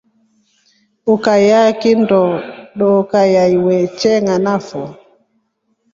Ukayaa kindo doka ya iwe chenganafo.